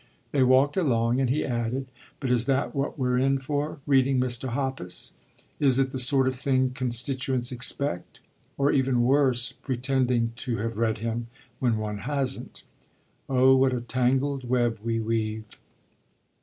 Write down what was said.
They walked along and he added: "But is that what we're in for, reading Mr. Hoppus? Is it the sort of thing constituents expect? Or, even worse, pretending to have read him when one hasn't? Oh what a tangled web we weave!"